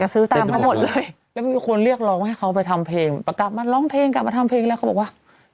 แล้วมีคนเรียกร้องให้เขาไปทำเพลงตลอดมาร้องเพลงกลับมาทำเพลงแล้วเขาบอกว่า